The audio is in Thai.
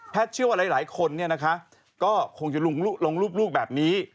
แพทย์เชื่อว่าหลายคนก็คงจะลงรูปลูกแบบนี้